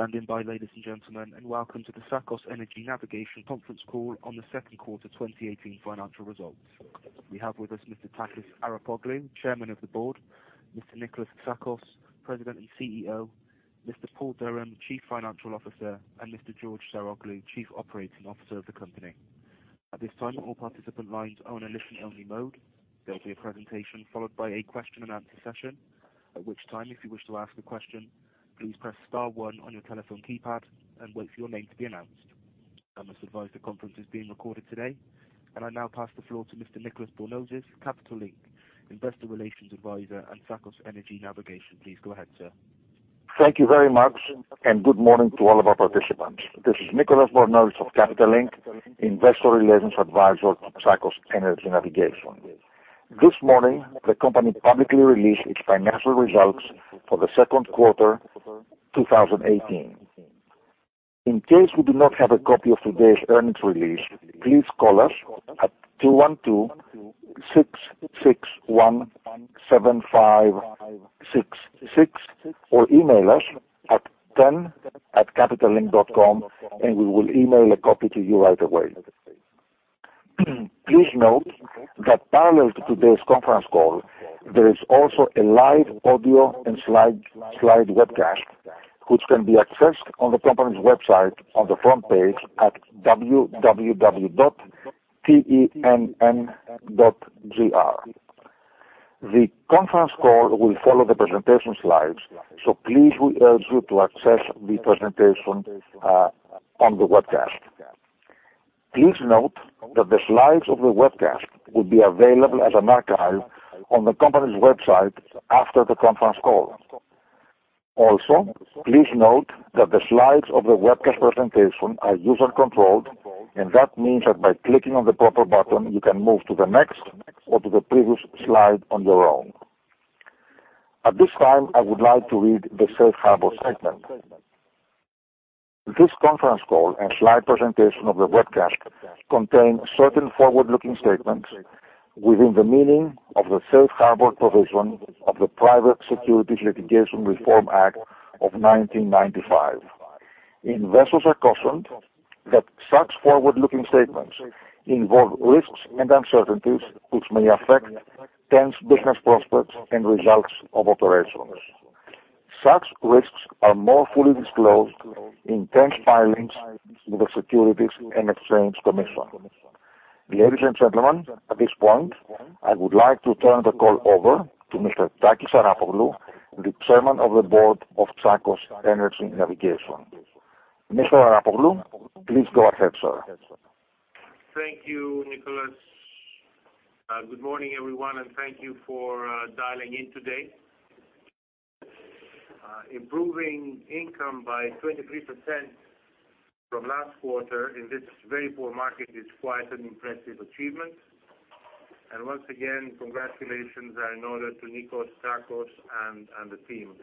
Thank you for standing by, ladies and gentlemen, and welcome to the Tsakos Energy Navigation conference call on the second quarter 2018 financial results. We have with us Mr. Takis Arapoglou, Chairman of the Board, Mr. Nikolas Tsakos, President and CEO, Mr. Paul Durham, Chief Financial Officer, and Mr. George Saroglou, Chief Operating Officer of the company. At this time, all participant lines are in a listen-only mode. There will be a presentation followed by a question and answer session. At which time, if you wish to ask a question, please press star one on your telephone keypad and wait for your name to be announced. I must advise the conference is being recorded today, and I now pass the floor to Mr. Nicolas Bornozis, Capital Link, Investor Relations Advisor and Tsakos Energy Navigation. Please go ahead, sir. Thank you very much, and good morning to all of our participants. This is Nicolas Bornozis of Capital Link, Investor Relations Advisor to Tsakos Energy Navigation. This morning, the company publicly released its financial results for the second quarter 2018. In case you do not have a copy of today's earnings release, please call us at 212-661-7566 or email us at ten@capitallink.com and we will email a copy to you right away. Please note that parallel to today's conference call, there is also a live audio and slide webcast, which can be accessed on the company's website on the front page at www.tenn.gr. The conference call will follow the presentation slides, so please we urge you to access the presentation on the webcast. Please note that the slides of the webcast will be available as an archive on the company's website after the conference call. Please note that the slides of the webcast presentation are user-controlled, and that means that by clicking on the proper button, you can move to the next or to the previous slide on your own. At this time, I would like to read the safe harbor statement. This conference call and slide presentation of the webcast contain certain forward-looking statements within the meaning of the safe harbor provision of the Private Securities Litigation Reform Act of 1995. Investors are cautioned that such forward-looking statements involve risks and uncertainties, which may affect TEN's business prospects and results of operations. Such risks are more fully disclosed in TEN's filings with the Securities and Exchange Commission. Ladies and gentlemen, at this point, I would like to turn the call over to Mr. Takis Arapoglou, the Chairman of the Board of Tsakos Energy Navigation. Mr. Arapoglou, please go ahead, sir. Thank you, Nicolas. Good morning, everyone, and thank you for dialing in today. Improving income by 23% from last quarter in this very poor market is quite an impressive achievement. Once again, congratulations are in order to Nikolas Tsakos and the team.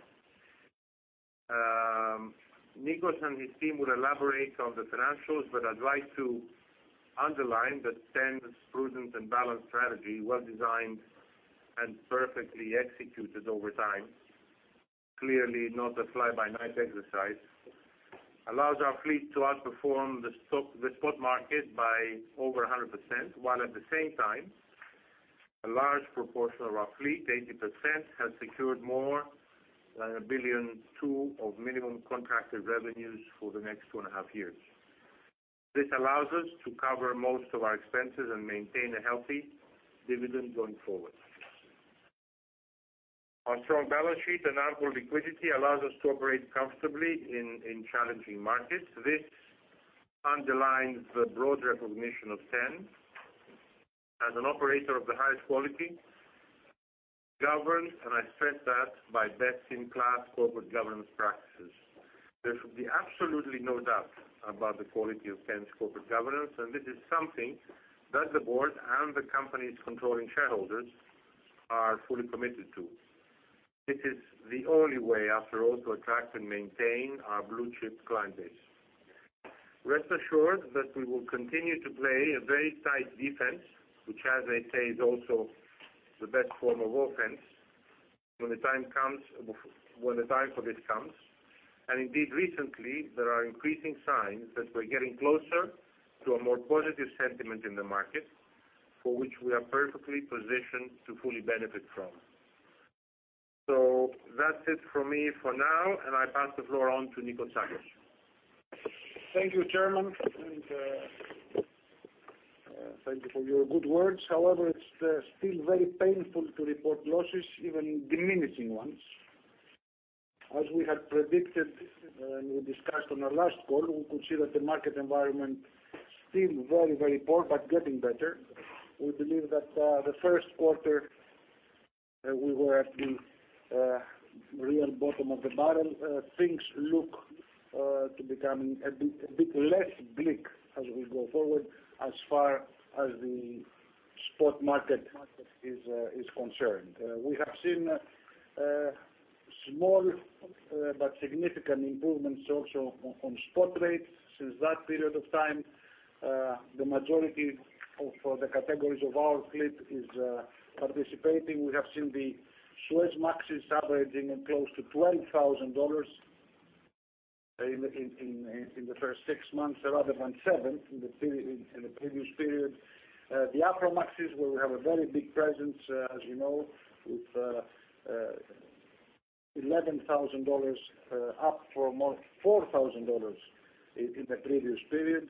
Nikolas and his team will elaborate on the financials, but I'd like to underline that TEN's prudent and balanced strategy, well designed and perfectly executed over time, clearly not a fly-by-night exercise, allows our fleet to outperform the spot market by over 100%, while at the same time, a large proportion of our fleet, 80%, has secured more than a billion two USD of minimum contracted revenues for the next two and a half years. This allows us to cover most of our expenses and maintain a healthy dividend going forward. Our strong balance sheet and ample liquidity allows us to operate comfortably in challenging markets. This underlines the broad recognition of TEN as an operator of the highest quality, governed, and I stress that, by best-in-class corporate governance practices. There should be absolutely no doubt about the quality of TEN's corporate governance, and this is something that the board and the company's controlling shareholders are fully committed to. This is the only way, after all, to attract and maintain our blue-chip client base. Rest assured that we will continue to play a very tight defense, which, as I say, is also the best form of offense when the time for this comes. Indeed, recently, there are increasing signs that we're getting closer to a more positive sentiment in the market, for which we are perfectly positioned to fully benefit from. That's it from me for now, and I pass the floor on to Nikolas Tsakos. Thank you, Chairman, thank you for your good words. However, it's still very painful to report losses, even diminishing ones. As we had predicted when we discussed on our last call, we could see that the market environment still very poor, but getting better. We believe that the first quarter, we were at the real bottom of the barrel. Things look to becoming a bit less bleak as we go forward, as far as the spot market is concerned. We have seen small but significant improvements also on spot rates since that period of time. The majority of the categories of our fleet is participating. We have seen the Suezmaxes averaging close to $12,000 in the first six months rather than seven in the previous period. The Aframaxes, where we have a very big presence as you know, with $11,000 up from almost $4,000 in the previous period.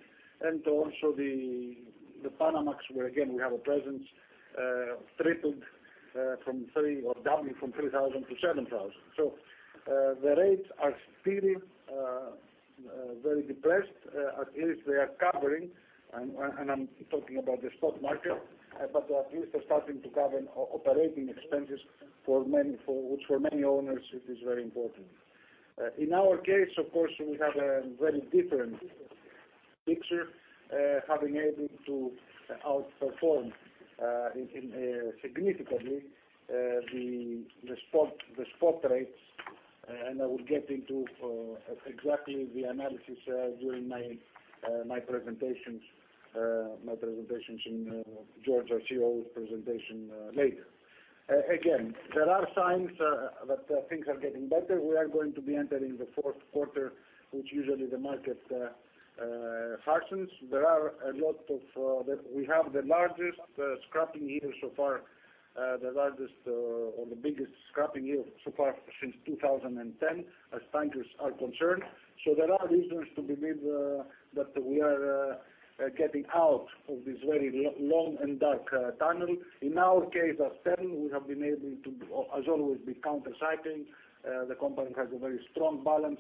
Also the Panamax where again we have a presence tripled from three or doubling from $3,000 to $7,000. The rates are still very depressed. At least they are covering, and I am talking about the spot market, but at least they are starting to cover operating expenses which for many owners is very important. In our case, of course, we have a very different picture, having able to outperform significantly the spot rates, and I will get into exactly the analysis during my presentations and George, our COO's presentation later. There are signs that things are getting better. We are going to be entering the fourth quarter, which usually the market softens. We have the largest scrapping year so far, the largest or the biggest scrapping year so far since 2010 as tankers are concerned. There are reasons to believe that we are getting out of this very long and dark tunnel. In our case, at TEN, we have been able to, as always, be counter-cycling. The company has a very strong balance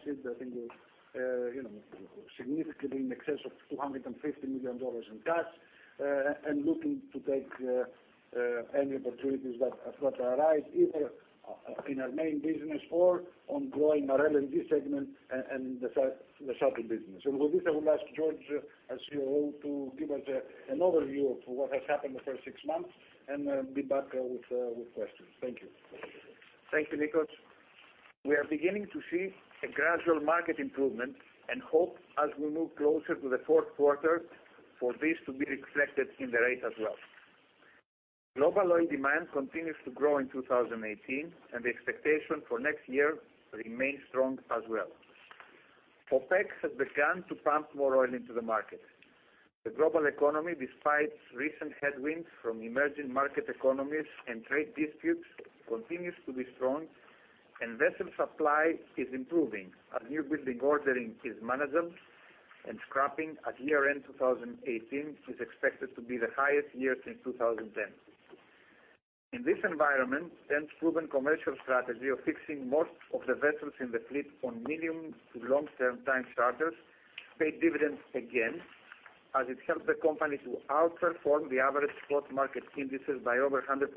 sheet, I think significantly in excess of $250 million in cash. Looking to take any opportunities that arise either in our main business or on growing our LNG segment and the shuttle business. With this, I will ask George, our COO, to give us an overview of what has happened the first six months and be back with questions. Thank you. Thank you, Nikos. We are beginning to see a gradual market improvement and hope as we move closer to the fourth quarter for this to be reflected in the rate as well. Global oil demand continues to grow in 2018, and the expectation for next year remains strong as well. OPEC has begun to pump more oil into the market. The global economy, despite recent headwinds from emerging market economies and trade disputes, continues to be strong and vessel supply is improving as new building ordering is manageable and scrapping at year-end 2018 is expected to be the highest year since 2010. In this environment, TEN's proven commercial strategy of fixing most of the vessels in the fleet on medium to long-term time charters paid dividends again, as it helped the company to outperform the average spot market indices by over 100%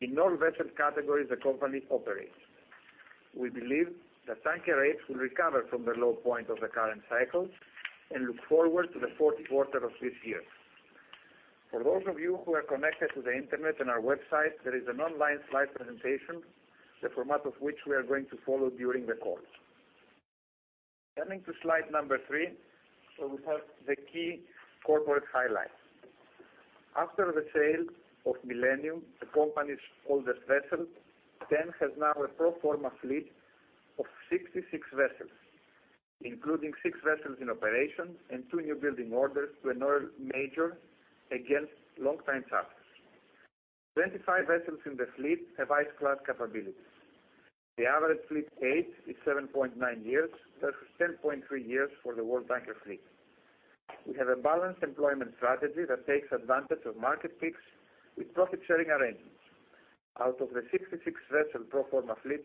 in all vessel categories the company operates. We believe the tanker rates will recover from the low point of the current cycle and look forward to the fourth quarter of this year. For those of you who are connected to the internet and our website, there is an online slide presentation, the format of which we are going to follow during the call. Turning to slide number three, we have the key corporate highlights. After the sale of Millennium, the company's oldest vessel, TEN has now a pro forma fleet of 66 vessels, including six vessels in operation and two new building orders to an oil major against long time charters. 25 vessels in the fleet have ice class capabilities. The average fleet age is 7.9 years versus 10.3 years for the world tanker fleet. We have a balanced employment strategy that takes advantage of market peaks with profit-sharing arrangements. Out of the 66 vessel pro forma fleet,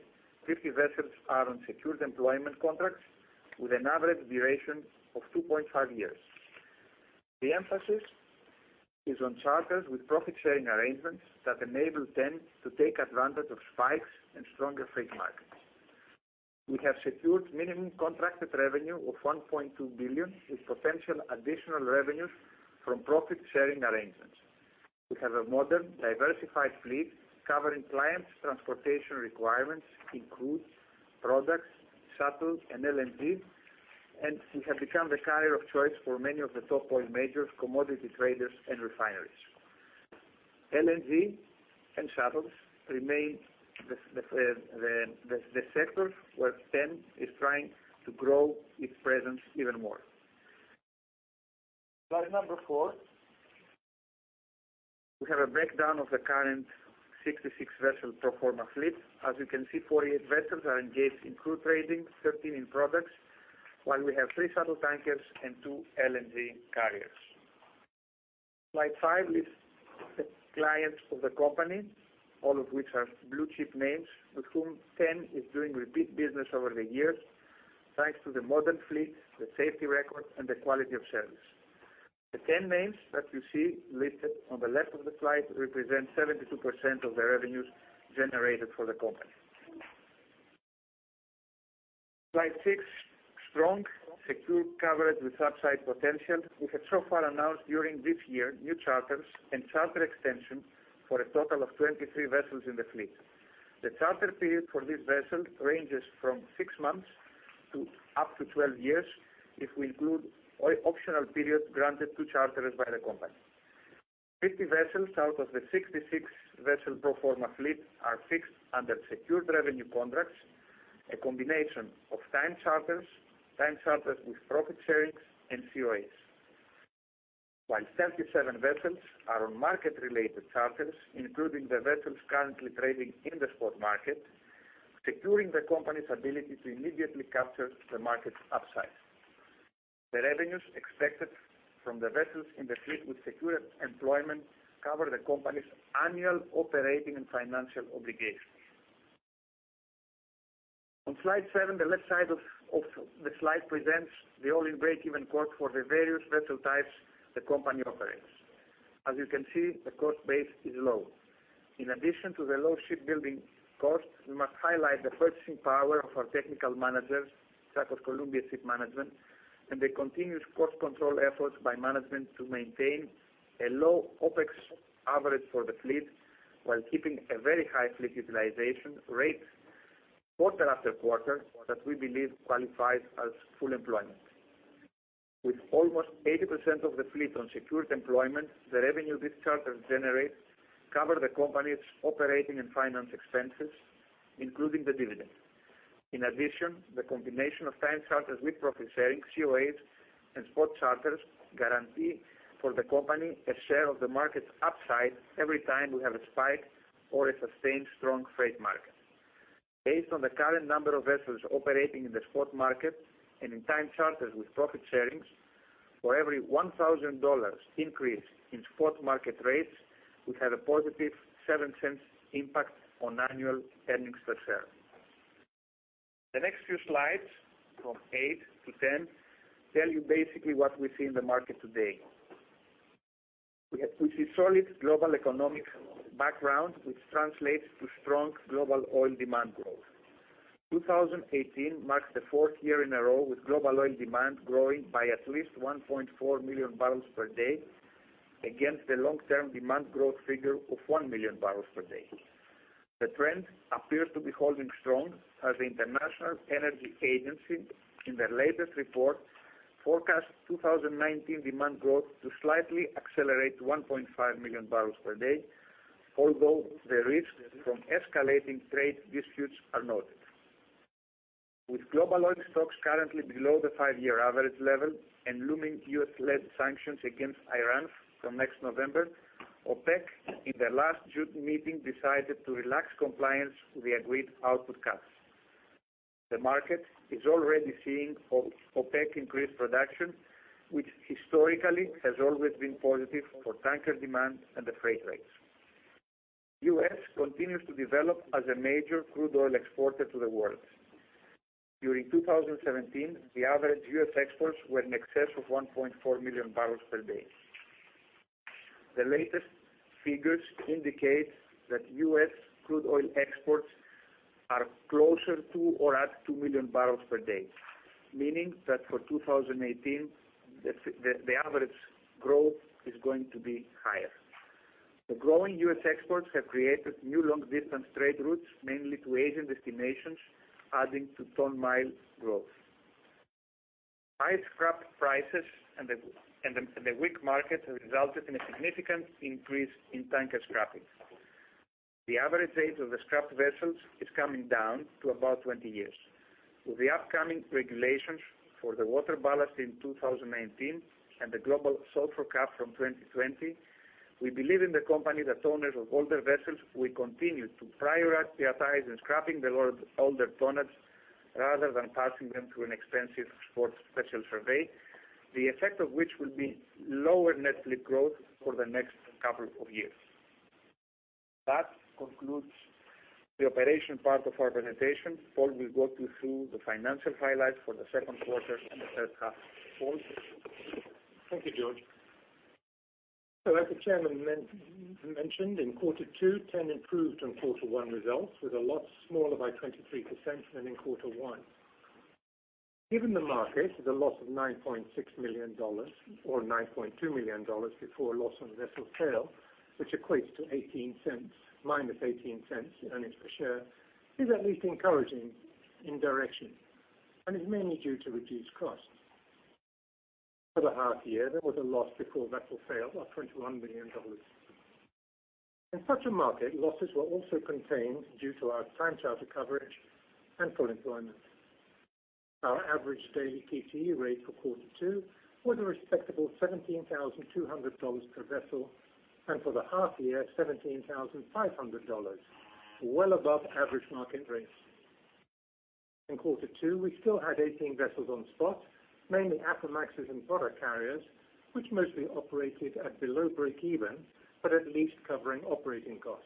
50 vessels are on secured employment contracts with an average duration of 2.5 years. The emphasis is on charters with profit-sharing arrangements that enable TEN to take advantage of spikes and stronger freight markets. We have secured minimum contracted revenue of $1.2 billion with potential additional revenues from profit-sharing arrangements. We have a modern, diversified fleet covering clients' transportation requirements in crude, products, shuttle, and LNG, and we have become the carrier of choice for many of the top oil majors, commodity traders, and refineries. LNG and shuttles remain the sectors where TEN is trying to grow its presence even more. Slide number four, we have a breakdown of the current 66 vessel pro forma fleet. As you can see, 48 vessels are engaged in crude trading, 13 in products, while we have three shuttle tankers and two LNG carriers. Slide five is the clients of the company, all of which are blue-chip names with whom TEN is doing repeat business over the years, thanks to the modern fleet, the safety record, and the quality of service. The 10 names that you see listed on the left of the slide represent 72% of the revenues generated for the company. Slide six, strong secure coverage with upside potential. We have so far announced during this year new charters and charter extension for a total of 23 vessels in the fleet. The charter period for this vessel ranges from six months to up to 12 years if we include optional periods granted to charterers by the company. 50 vessels out of the 66 vessel pro forma fleet are fixed under secured revenue contracts, a combination of time charters, time charters with profit sharing, and COAs. While 37 vessels are on market-related charters, including the vessels currently trading in the spot market, securing the company's ability to immediately capture the market upside. The revenues expected from the vessels in the fleet with secured employment cover the company's annual operating and financial obligations. On slide seven, the left side of the slide presents the all-in break-even cost for the various vessel types the company operates. As you can see, the cost base is low. In addition to the low shipbuilding cost, we must highlight the purchasing power of our technical managers, Tsakos Columbia Shipmanagement, and the continuous cost control efforts by management to maintain a low OPEX average for the fleet while keeping a very high fleet utilization rate quarter after quarter that we believe qualifies as full employment. With almost 80% of the fleet on secured employment, the revenue these charters generate cover the company's operating and finance expenses, including the dividend. In addition, the combination of time charters with profit sharing, COAs, and spot charters guarantee for the company a share of the market upside every time we have a spike or a sustained strong freight market. Based on the current number of vessels operating in the spot market and in time charters with profit sharing, for every $1,000 increase in spot market rates, we have a positive $0.7 impact on annual earnings per share. The next few slides, from eight to 10, tell you basically what we see in the market today. We see solid global economic background, which translates to strong global oil demand growth. 2018 marks the fourth year in a row with global oil demand growing by at least 1.4 million barrels per day against the long-term demand growth figure of 1 million barrels per day. The trend appears to be holding strong as the International Energy Agency, in their latest report, forecast 2019 demand growth to slightly accelerate 1.5 million barrels per day, although the risks from escalating trade disputes are noted. With global oil stocks currently below the five-year average level and looming U.S.-led sanctions against Iran from next November, OPEC, in their last June meeting, decided to relax compliance with the agreed output cuts. The market is already seeing OPEC increase production, which historically has always been positive for tanker demand and the freight rates. U.S. continues to develop as a major crude oil exporter to the world. During 2017, the average U.S. exports were in excess of 1.4 million barrels per day. The latest figures indicate that U.S. crude oil exports are closer to or at 2 million barrels per day, meaning that for 2018, the average growth is going to be higher. The growing U.S. exports have created new long distance trade routes, mainly to Asian destinations, adding to ton mile growth. High scrap prices and the weak market have resulted in a significant increase in tanker scrapping. The average age of the scrapped vessels is coming down to about 20 years. With the upcoming regulations for the water ballast in 2019 and the global sulfur cap from 2020, we believe in the company that owners of older vessels will continue to prioritize and scrapping the older tonnage rather than passing them through an expensive port special survey, the effect of which will be lower net fleet growth for the next couple of years. That concludes the operation part of our presentation. Paul will walk you through the financial highlights for the second quarter and the third half. Paul? Thank you, George. As the chairman mentioned, in quarter two, TEN improved on quarter one results with a loss smaller by 23% than in quarter one. Given the market, the loss of $9.6 million or $9.2 million before loss on vessel sale, which equates to minus $0.18 earnings per share, is at least encouraging in direction and is mainly due to reduced costs. For the half year, there was a loss before vessel sale of $21 million. In such a market, losses were also contained due to our time charter coverage and full employment. Our average daily TCE rate for quarter two was a respectable $17,200 per vessel, and for the half year, $17,500, well above average market rates. In quarter two, we still had 18 vessels on spot, mainly Aframaxes and product carriers, which mostly operated at below break even, but at least covering operating costs.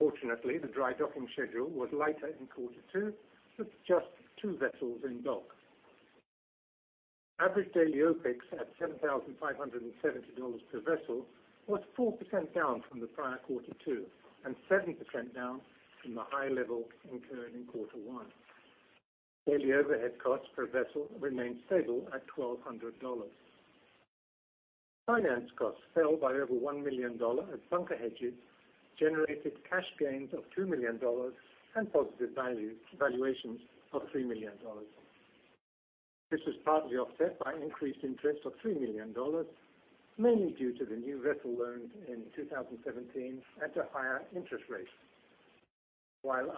Fortunately, the dry docking schedule was lighter in quarter two with just two vessels in dock. Average daily OPEX at $7,570 per vessel was 4% down from the prior quarter two and 7% down from the high level incurred in quarter one. Daily overhead costs per vessel remained stable at $1,200. Finance costs fell by over $1 million as bunker hedges generated cash gains of $2 million and positive valuations of $3 million. This was partly offset by increased interest of $3 million, mainly due to the new vessel loan in 2017 at a higher interest rate. While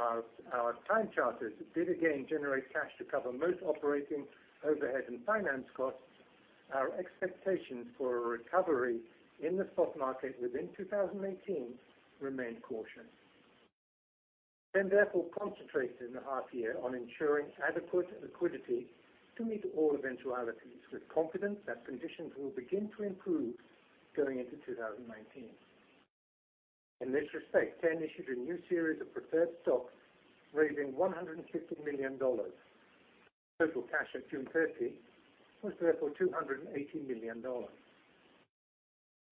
our time charters did again generate cash to cover most operating overhead and finance costs, our expectations for a recovery in the spot market within 2018 remain cautious. Therefore, concentrated in the half year on ensuring adequate liquidity to meet all eventualities with confidence that conditions will begin to improve going into 2019. In this respect, TEN issued a new series of preferred stocks, raising $150 million. Total cash at June 30 was therefore $280 million.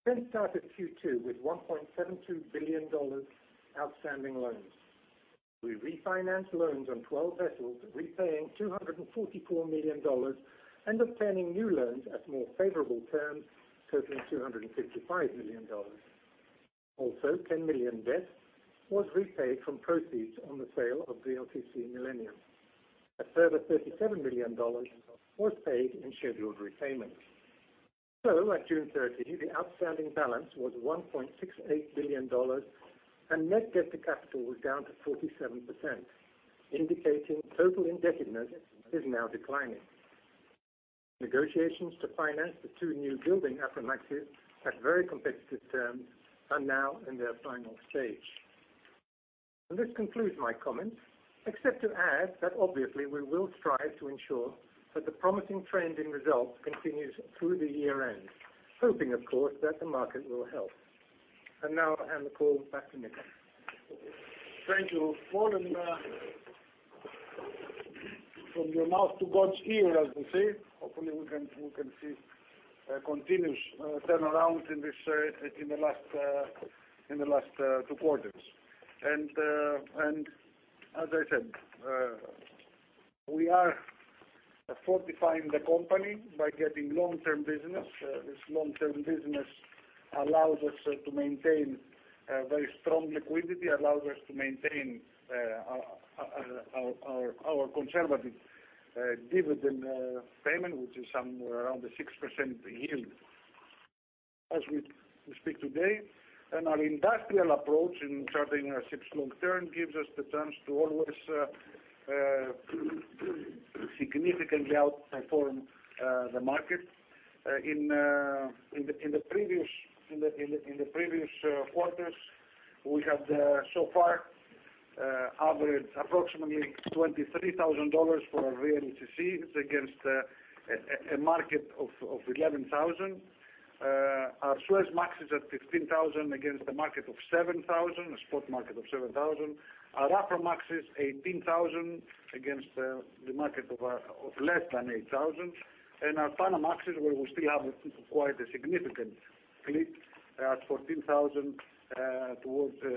TEN started Q2 with $1.72 billion outstanding loans. We refinanced loans on 12 vessels, repaying $244 million and obtaining new loans at more favorable terms, totaling $255 million. $10 million debt was repaid from proceeds on the sale of VLCC Millennium. A further $37 million was paid in scheduled repayments. At June 30, the outstanding balance was $1.68 billion, and net debt to capital was down to 47%, indicating total indebtedness is now declining. Negotiations to finance the two new building Aframaxes at very competitive terms are now in their final stage. This concludes my comments, except to add that obviously we will strive to ensure that the promising trend in results continues through the year-end, hoping, of course, that the market will help. Now I hand the call back to Nikos. Thank you, Paul, From your mouth to God's ear, as we say. Hopefully, we can see a continuous turnaround in the last two quarters. As I said, we are fortifying the company by getting long-term business. This long-term business allows us to maintain very strong liquidity, allows us to maintain our conservative dividend payment, which is somewhere around a 6% yield as we speak today. Our industrial approach in chartering our ships long term gives us the chance to always significantly outperform the market. In the previous quarters, we have so far averaged approximately $23,000 for our VLCCs against a market of $11,000. Our Suezmax is at $15,000 against a spot market of $7,000. Our Aframax is $18,000 against the market of less than $8,000. Our Panamax is where we still have quite a significant fleet at $14,000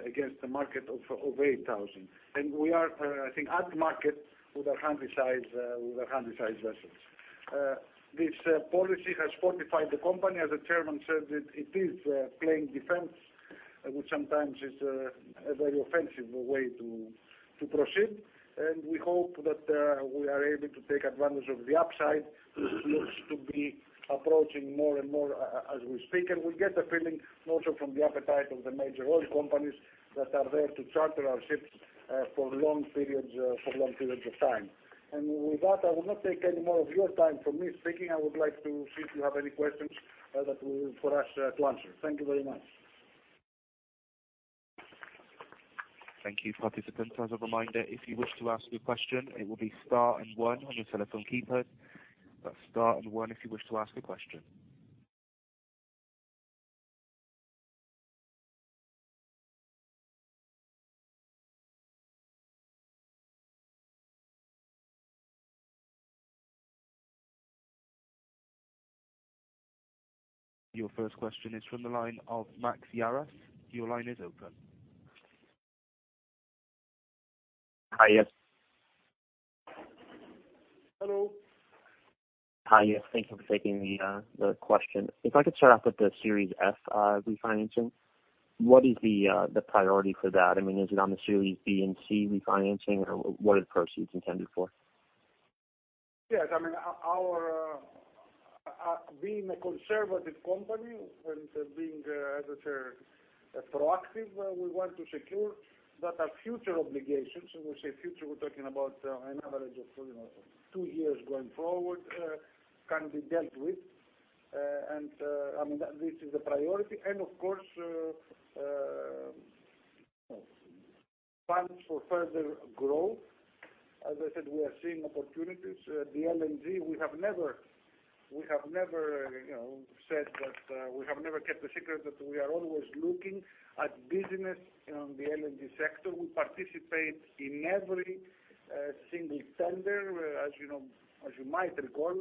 against the market of $8,000. We are, I think, at market with our Handysize vessels. This policy has fortified the company. As the Chairman said, it is playing defense, which sometimes is a very offensive way to proceed. We hope that we are able to take advantage of the upside, which looks to be approaching more and more as we speak. We get a feeling also from the appetite of the major oil companies that are there to charter our ships for long periods of time. With that, I will not take any more of your time from me speaking. I would like to see if you have any questions for us to answer. Thank you very much. Thank you, participants. As a reminder, if you wish to ask a question, it will be star and one on your telephone keypad. That's star and one if you wish to ask a question. Your first question is from the line of Max Yaras. Your line is open. Hi, yes. Hello. Hi, yes. Thank you for taking the question. If I could start off with the Series F refinancing, what is the priority for that? I mean, is it on the Series B and C refinancing, or what are the proceeds intended for? Yes. Being a conservative company and being, as I said, proactive, we want to secure that our future obligations, and we say future, we're talking about an average of two years going forward, can be dealt with. This is the priority. Of course, funds for further growth. As I said, we are seeing opportunities. The LNG, we have never kept a secret that we are always looking at business in the LNG sector. We participate in every single tender. As you might recall,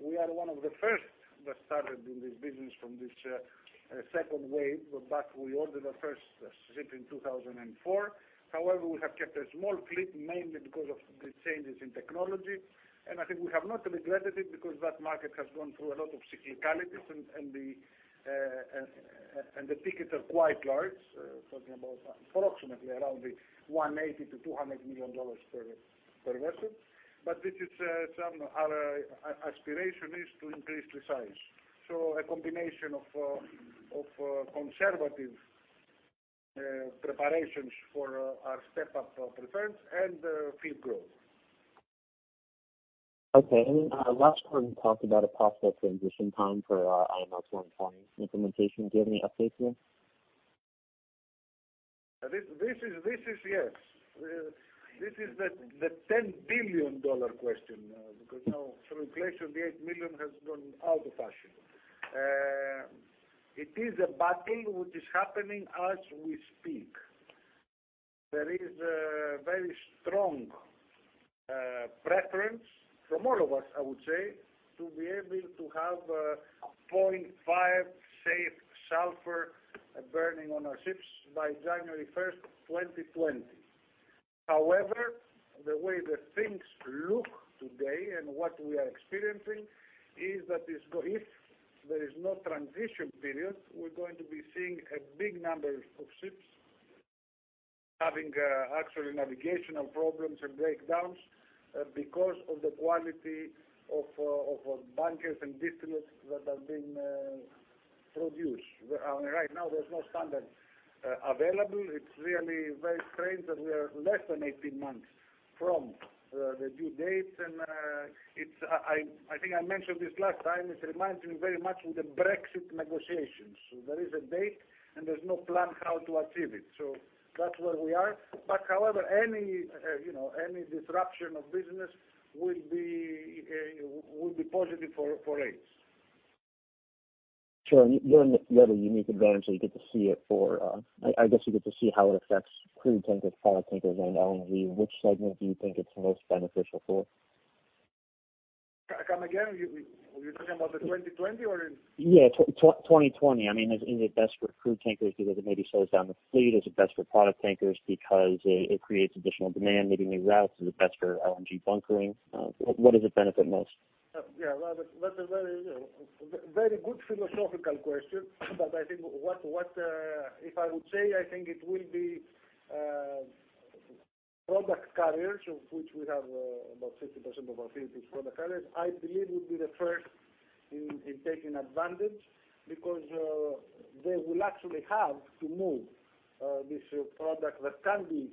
we are one of the first that started in this business from this second wave. We ordered our first ship in 2004. However, we have kept a small fleet, mainly because of the changes in technology. I think we have not regretted it because that market has gone through a lot of cyclicalities, and the tickets are quite large. Talking about approximately around the $180 million-$200 million per vessel. Our aspiration is to increase the size. A combination of conservative preparations for our step-up preference and fleet growth. Okay. Last quarter you talked about a possible transition time for IMO 2020 implementation. Do you have any updates there? This is the $10 billion question, because now through inflation, the $8 million has gone out of fashion. It is a battle which is happening as we speak. There is a very strong preference from all of us, I would say, to be able to have 0.5 safe sulfur burning on our ships by January 1st, 2020. However, the way that things look today and what we are experiencing is that if there is no transition period, we're going to be seeing a big number of ships having actual navigational problems and breakdowns because of the quality of bunkers and distillates that are being produced. Right now there's no standard available. It's really very strange that we are less than 18 months from the due date. I think I mentioned this last time, it reminds me very much of the Brexit negotiations. There is a date and there's no plan how to achieve it. That's where we are. However, any disruption of business will be positive for rates. Sure. You have a unique advantage that you get to see it for, I guess you get to see how it affects crude tankers, product tankers and LNG. Which segment do you think it's most beneficial for? Come again. You're talking about the 2020 or Yeah, 2020. I mean, is it best for crude tankers because it maybe slows down the fleet? Is it best for product tankers because it creates additional demand, maybe new routes? Is it best for LNG bunkering? What does it benefit most? That's a very good philosophical question. I think if I would say, I think it will be product carriers, of which we have about 50% of our fleet is product carriers. I believe would be the first in taking advantage because they will actually have to move this product that can be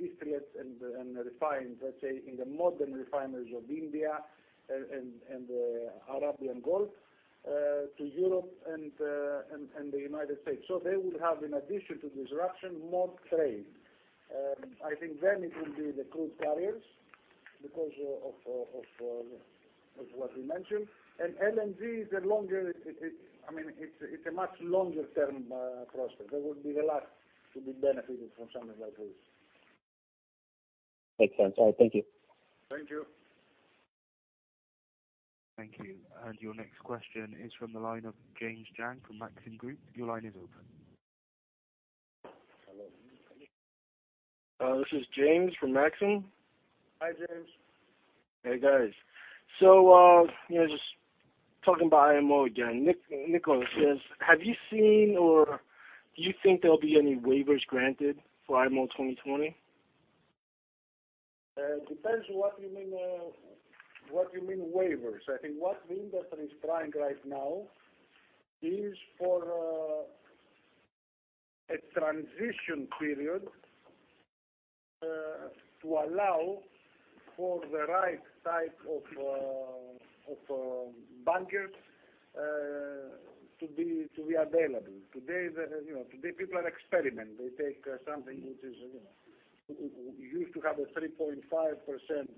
distillate and refined, let's say, in the modern refineries of India and the Arabian Gulf to Europe and the U.S. They would have, in addition to disruption, more trade. I think then it will be the crude carriers because of what you mentioned. LNG is a much longer-term prospect. They would be the last to be benefiting from something like this. Makes sense. All right, thank you. Thank you. Thank you. Your next question is from the line of James Jang from Maxim Group. Your line is open. Hello. This is James from Maxim. Hi, James. Hey, guys. Just talking about IMO again. Nikos, have you seen or do you think there'll be any waivers granted for IMO 2020? It depends what you mean waivers. I think what the industry is trying right now is for a transition period to allow for the right type of bunkers to be available. Today, people are experimenting. They take something which used to have a 3.5% sulfur content,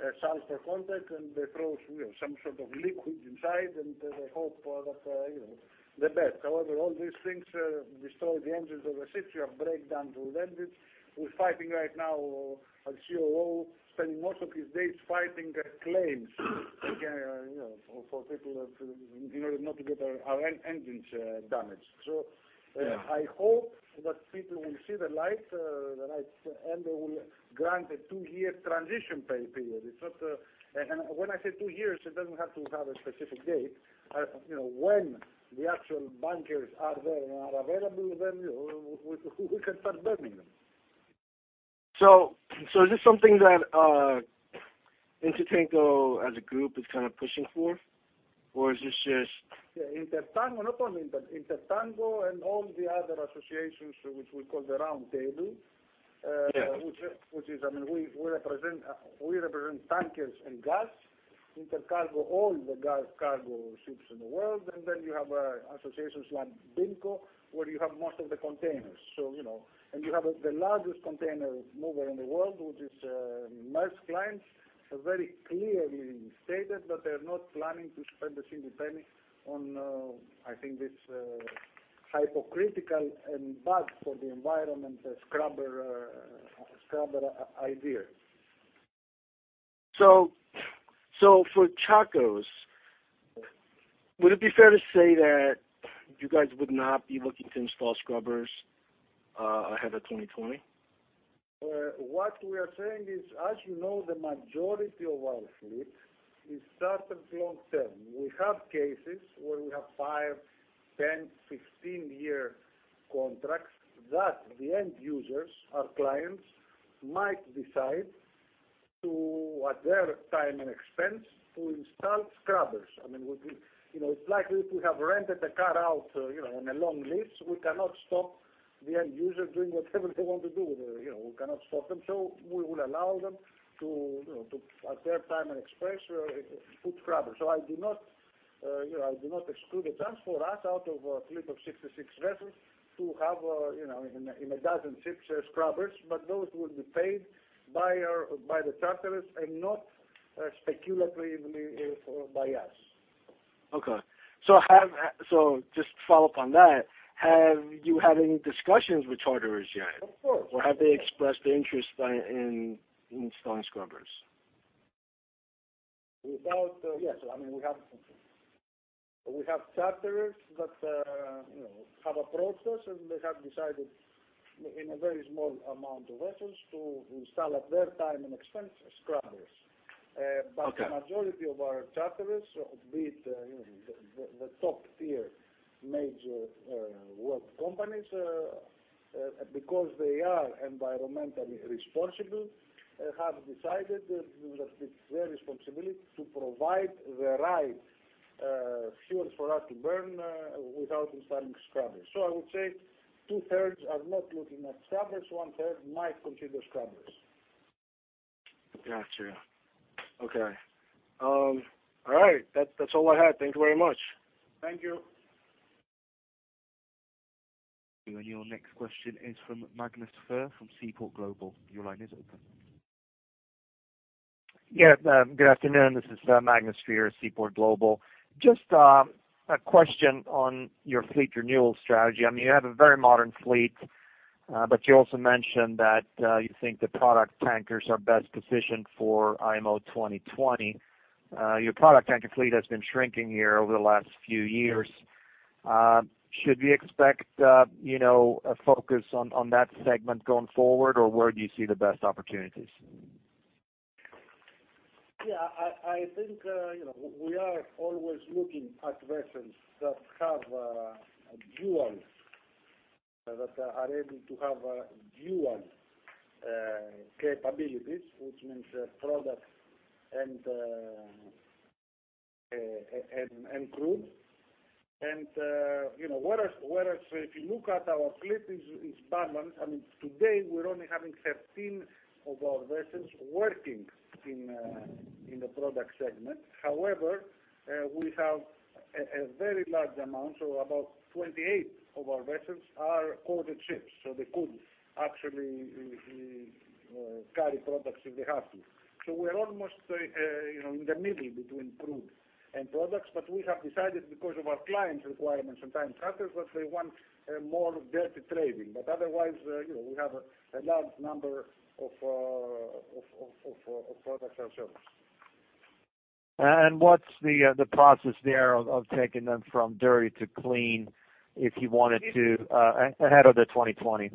and they throw some sort of liquid inside, and they hope for the best. However, all these things destroy the engines of the ships. You have breakdowns with engines. We're fighting right now, our COO spending most of his days fighting claims for people in order not to get our engines damaged. I hope that people will see the light, and they will grant a two-year transition period. When I say two years, it doesn't have to have a specific date. When the actual bunkers are there and are available, then we can start burning them. Is this something that Intertanko as a group is pushing for? Or is this just Not only Intertanko, all the other associations which we call the Round Table. Yeah. Which is, we represent tankers and gas, INTERCARGO, all the gas cargo ships in the world. Then you have associations like BIMCO, where you have most of the containers. You have the largest container mover in the world, which is Maersk Line, have very clearly stated that they're not planning to spend a single penny on, I think, this hypocritical and bad for the environment scrubber idea. For Tsakos, would it be fair to say that you guys would not be looking to install scrubbers ahead of 2020? What we are saying is, as you know, the majority of our fleet is chartered long-term. We have cases where we have five, 10, 15-year contracts that the end users, our clients, might decide to at their time and expense, to install scrubbers. I mean, it's like if we have rented a car out on a long lease, we cannot stop the end user doing whatever they want to do with it. We cannot stop them. We will allow them to, at their time and expense, put scrubbers. I do not exclude the chance for us out of a fleet of 66 vessels to have in a dozen ships scrubbers, but those will be paid by the charterers and not speculatively by us. Okay. Just to follow up on that, have you had any discussions with charterers yet? Of course. Have they expressed interest in installing scrubbers? Yes. We have charterers that have approached us. They have decided in a very small amount of vessels to install, at their time and expense, scrubbers. Okay. The majority of our charterers, be it the top-tier major world companies because they are environmentally responsible, have decided that it's their responsibility to provide the right fuels for us to burn without installing scrubbers. I would say two-thirds are not looking at scrubbers, one-third might consider scrubbers. Got you. Okay. All right. That's all I had. Thank you very much. Thank you. Your next question is from Magnus Fyhr from Seaport Global. Your line is open. Good afternoon. This is Magnus Fyhr, Seaport Global. Just a question on your fleet renewal strategy. You have a very modern fleet, but you also mentioned that you think the product tankers are best positioned for IMO 2020. Your product tanker fleet has been shrinking here over the last few years. Should we expect a focus on that segment going forward, or where do you see the best opportunities? I think we are always looking at vessels that are able to have dual capabilities, which means product and crude. Whereas if you look at our fleet is balanced. I mean, today we're only having 13 of our vessels working in the product segment. However, we have a very large amount, so about 28 of our vessels are coated ships, so they could actually carry products if they have to. We're almost in the middle between crude and products, but we have decided because of our clients requirements and time charters that they want more dirty trading. Otherwise, we have a large number of products ourselves. What's the process there of taking them from dirty to clean if you wanted to, ahead of the 2020?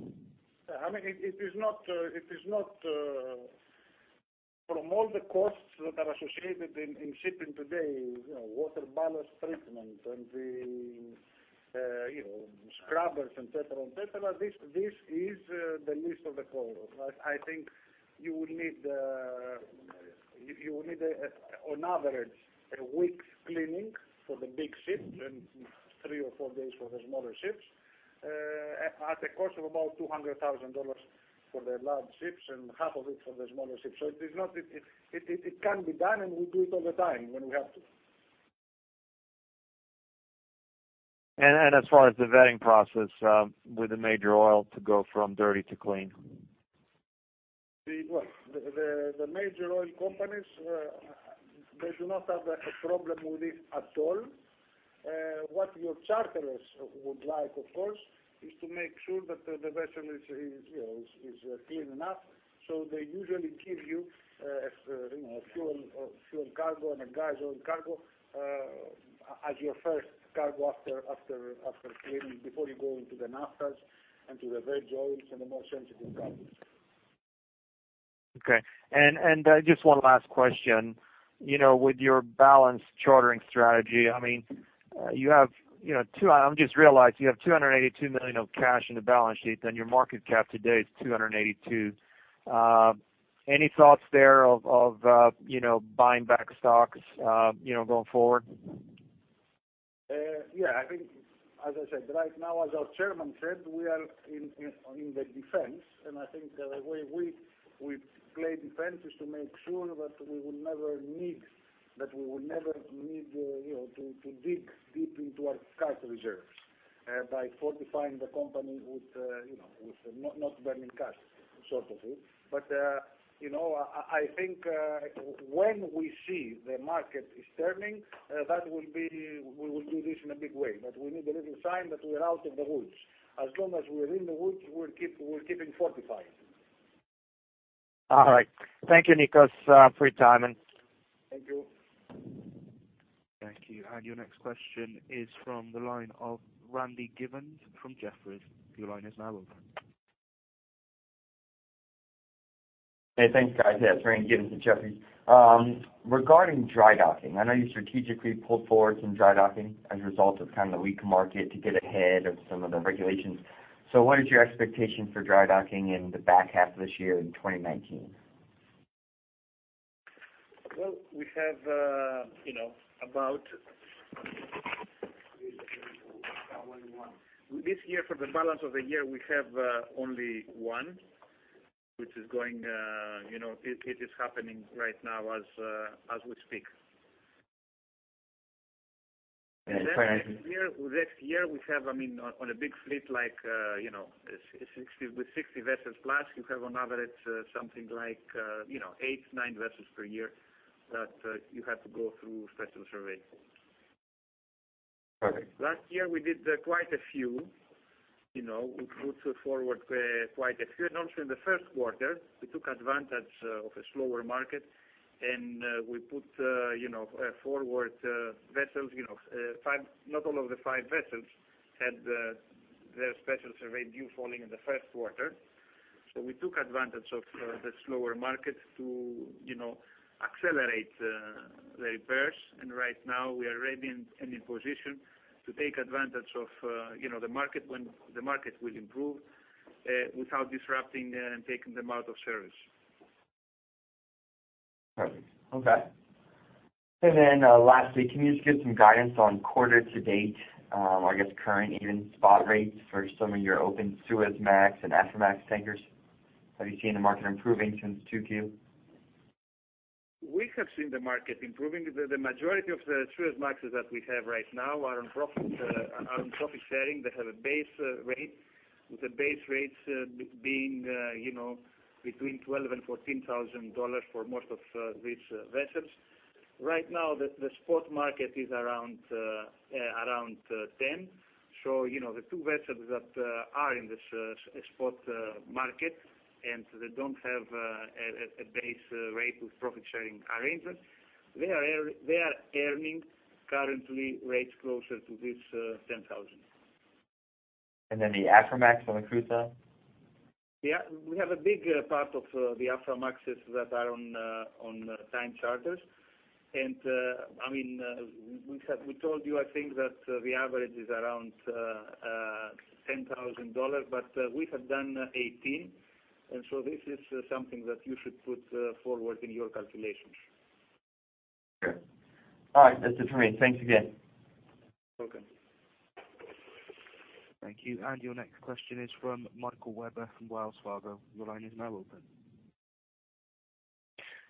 From all the costs that are associated in shipping today, water ballast treatment and the scrubbers, et cetera. This is the least of the costs. I think you will need on average, one week cleaning for the big ships and three or four days for the smaller ships, at a cost of about $200,000 for the large ships and half of it for the smaller ships. It can be done, and we do it all the time when we have to. As far as the vetting process with the major oil to go from dirty to clean. Well, the major oil companies, they do not have a problem with it at all. What your charterers would like, of course, is to make sure that the vessel is clean enough. They usually give you a fuel cargo and a gas oil cargo as your first cargo after cleaning, before you go into the naphthas and to the heavy oils and the more sensitive cargoes. Okay. Just one last question. With your balanced chartering strategy, I just realized you have $282 million of cash in the balance sheet, and your market cap today is $282 million. Any thoughts there of buying back stocks going forward? Yeah. I think as I said, right now as our chairman said, we are in the defense, and I think the way we play defense is to make sure that we will never need to dig deep into our cash reserves by fortifying the company with not burning cash sort of thing. I think when we see the market is turning, we will do this in a big way. We need a little sign that we are out of the woods. As long as we are in the woods, we're keeping fortified. All right. Thank you, Nikos, for your time. Thank you. Thank you. Your next question is from the line of Randy Giveans from Jefferies. Your line is now open. Hey, thanks, guys. Yeah, it is Randy Giveans from Jefferies. Regarding dry docking, I know you strategically pulled forward some dry docking as a result of the weak market to get ahead of some of the regulations. What is your expectation for dry docking in the back half of this year in 2019? Well, this year for the balance of the year, we have only one, which is happening right now as we speak. Currently- Next year, we have on a big fleet with 60 vessels plus, you have on average something like eight, nine vessels per year that you have to go through special survey. Okay. Last year we did quite a few. We put forward quite a few. Also in the first quarter we took advantage of a slower market and we put forward vessels. Not all of the five vessels had their special survey due falling in the first quarter, so we took advantage of the slower market to accelerate the repairs. Right now we are ready and in position to take advantage of the market when the market will improve without disrupting and taking them out of service. Perfect. Okay. Lastly, can you just give some guidance on quarter to date, or I guess current even spot rates for some of your open Suezmax and Aframax tankers? Have you seen the market improving since 2Q? We have seen the market improving. The majority of the Suezmaxes that we have right now are on profit sharing. They have a base rate, with the base rates being between $12,000-$14,000 for most of these vessels. Right now, the spot market is around $10,000. The two vessels that are in this spot market, and they don't have a base rate with profit-sharing arrangements, they are earning currently rates closer to this $10,000. The Aframax on the [crude side]? Yeah. We have a big part of the Aframaxes that are on time charters. We told you, I think that the average is around $10,000, we have done 18, this is something that you should put forward in your calculations. Okay. All right, that's it for me. Thanks again. Welcome. Thank you. Your next question is from Michael Webber from Wells Fargo. Your line is now open.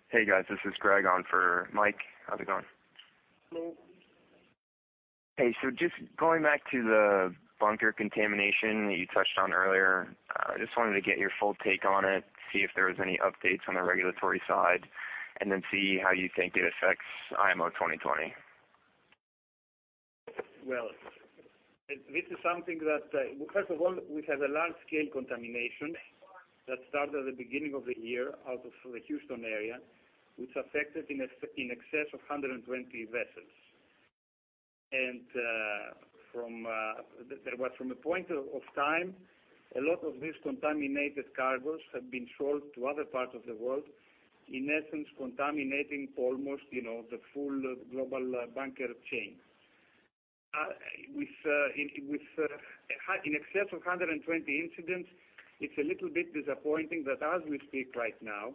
Hey, guys. This is Greg on for Mike. How's it going? Hello. Hey, just going back to the bunker contamination that you touched on earlier, I just wanted to get your full take on it, see if there was any updates on the regulatory side, and then see how you think it affects IMO 2020. Well, first of all, we have a large-scale contamination that started at the beginning of the year out of the Houston area, which affected in excess of 120 vessels. From a point of time, a lot of these contaminated cargoes have been sold to other parts of the world, in essence, contaminating almost the full global bunker chain. In excess of 120 incidents, it's a little bit disappointing that as we speak right now,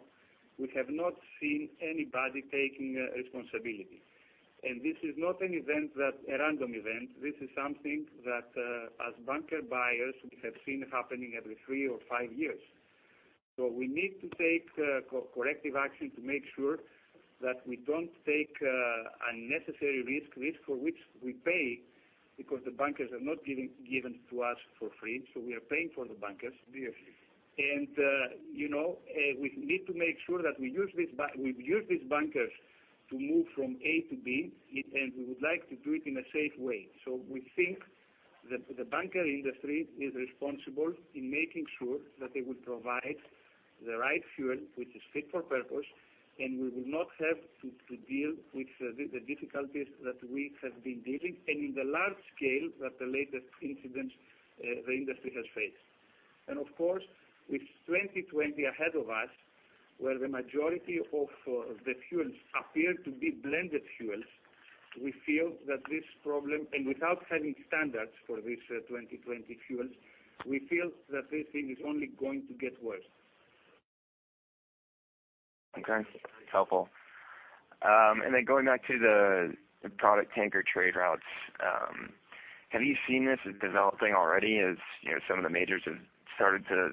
we have not seen anybody taking responsibility. This is not a random event. This is something that as bunker buyers, we have seen happening every three or five years. We need to take corrective action to make sure that we don't take unnecessary risk for which we pay because the bunkers are not given to us for free. We are paying for the bunkers. Yes. We need to make sure that we use these bunkers to move from A to B, and we would like to do it in a safe way. We think that the bunker industry is responsible in making sure that they will provide the right fuel, which is fit for purpose, and we will not have to deal with the difficulties that we have been dealing, and in the large scale that the latest incidents the industry has faced. Of course, with 2020 ahead of us, where the majority of the fuels appear to be blended fuels, and without having standards for these 2020 fuels, we feel that this thing is only going to get worse. Okay. That's helpful. Going back to the product tanker trade routes, have you seen this developing already as some of the majors have started to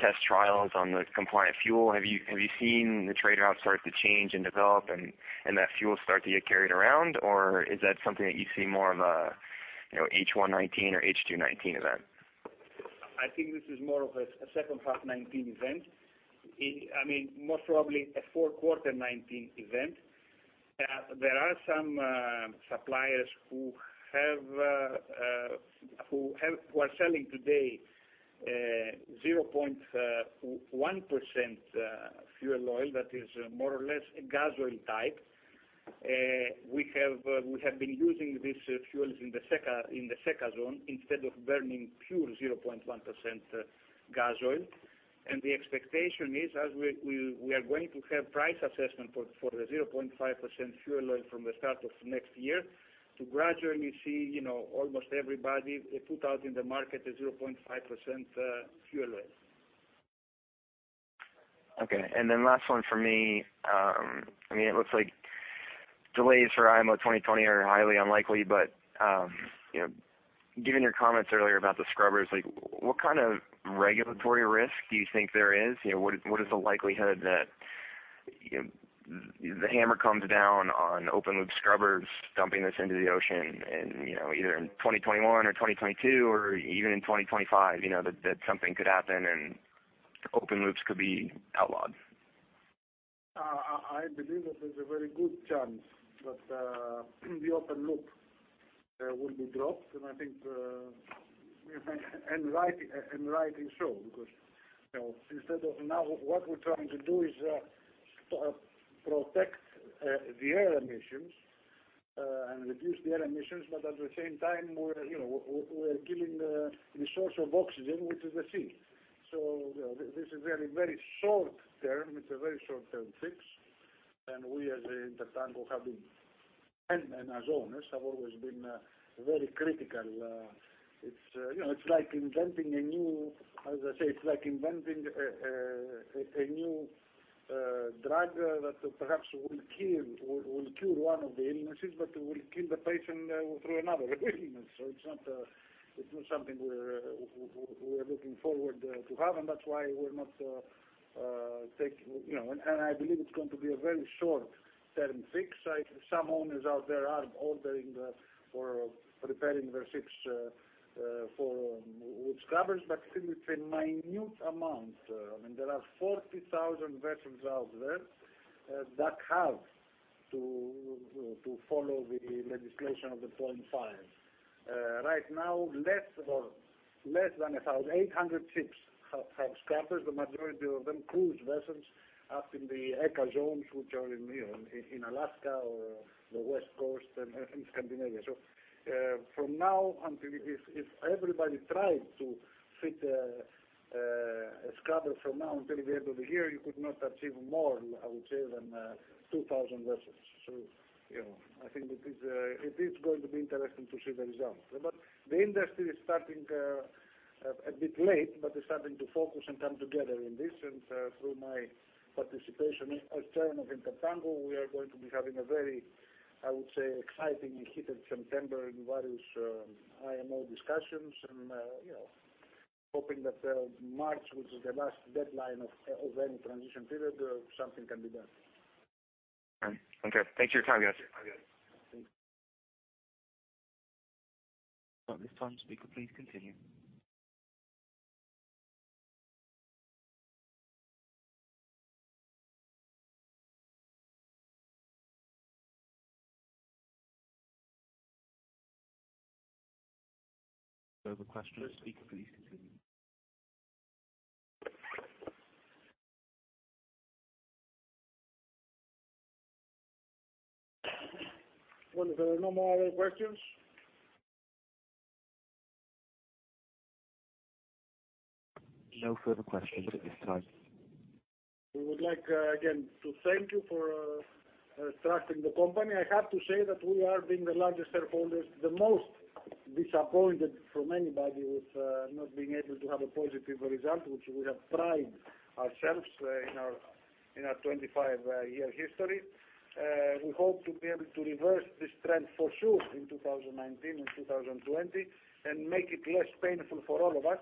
test trials on the compliant fuel? Have you seen the trade routes start to change and develop and that fuel start to get carried around, or is that something that you see more of a H1 '19 or H2 '19 event? I think this is more of a second half 2019 event. Most probably a fourth quarter 2019 event. There are some suppliers who are selling today 0.1% fuel oil that is more or less a gas oil type. We have been using these fuels in the SECA zone instead of burning pure 0.1% gas oil. The expectation is, as we are going to have price assessment for the 0.5% fuel oil from the start of next year, to gradually see almost everybody put out in the market a 0.5% fuel oil. Okay. Last one for me. It looks like delays for IMO 2020 are highly unlikely, but given your comments earlier about the scrubbers, what kind of regulatory risk do you think there is? What is the likelihood that the hammer comes down on open-loop scrubbers dumping this into the ocean and, either in 2021 or 2022 or even in 2025, that something could happen and open-loops could be outlawed? I believe that there's a very good chance that the open-loop will be dropped. I think, and rightly so, because now what we're trying to do is protect the air emissions, and reduce the air emissions, but at the same time, we're killing the source of oxygen, which is the sea. This is very short-term. It's a very short-term fix, and we as INTERTANKO have been, and as owners, have always been very critical. As I say, it's like inventing a new drug that perhaps will cure one of the illnesses, but will kill the patient through another illness. It's not something we're looking forward to have, and I believe it's going to be a very short-term fix. Some owners out there are ordering or preparing their ships for scrubbers, but still it's a minute amount. There are 40,000 vessels out there that have to follow the legislation of the .5. Right now, less than 1,000, 800 ships have scrubbers, the majority of them cruise vessels up in the ECA zones, which are in Alaska or the West Coast and in Scandinavia. If everybody tried to fit a scrubber from now until the end of the year, you could not achieve more, I would say, than 2,000 vessels. I think it is going to be interesting to see the results. The industry is, a bit late, but is starting to focus and come together in this. Through my participation as chairman of INTERTANKO, we are going to be having a very, I would say, exciting and heated September in various IMO discussions and hoping that March, which is the last deadline of any transition period, something can be done. Okay. Thanks for your time, guys. At this time, speaker, please continue. There is a question. Speaker, please continue. Well, if there are no more other questions? No further questions at this time. We would like, again, to thank you for trusting the company. I have to say that we are, being the largest shareholders, the most disappointed from anybody with not being able to have a positive result, which we have prided ourselves in our 25-year history. We hope to be able to reverse this trend for sure in 2019 and 2020 and make it less painful for all of us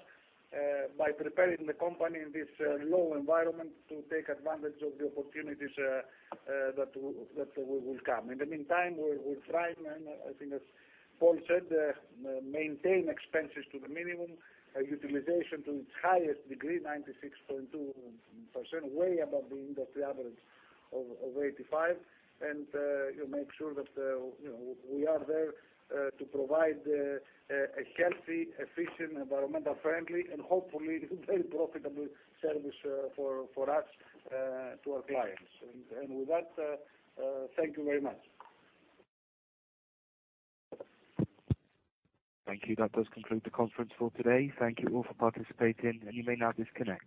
by preparing the company in this low environment to take advantage of the opportunities that will come. In the meantime, we'll try and, I think as Paul said, maintain expenses to the minimum, utilization to its highest degree, 96.2%, way above the industry average of 85%. Make sure that we are there to provide a healthy, efficient, environmental friendly, and hopefully very profitable service for us to our clients. With that, thank you very much. Thank you. That does conclude the conference for today. Thank you all for participating, and you may now disconnect.